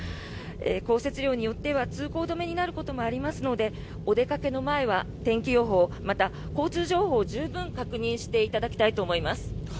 降雪量によっては通行止めになることもありますのでお出かけの前は天気予報また交通情報を十分確認していただきたいと思います。